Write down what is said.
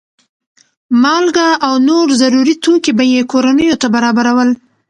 مالګه او نور ضروري توکي به یې کورنیو ته برابرول.